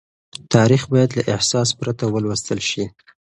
تاريخ بايد له احساس پرته ولوستل شي.